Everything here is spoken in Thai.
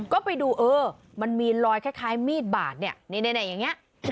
ก็ไปดูเออมันมีรอยคล้ายมีดบาดเนี่ยอย่างนี้